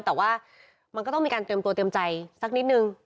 แต่ว่ามันก็ต้องมีการเตรียมตัวเตรียมใจสักนิดนึง